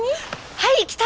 はいきた！